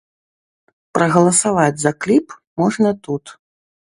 Прагаласаваць за кліп можна тут.